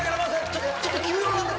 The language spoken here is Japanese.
ちょっとちょっと急用なんで。